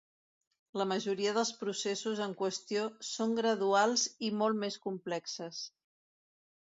La majoria dels processos en qüestió són graduals i molt més complexes.